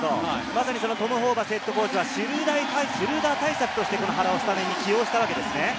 トム・ホーバスＨＣはシュルーダー対策として原をスタメンに起用したわけですね。